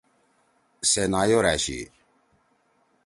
سے نایور أشی۔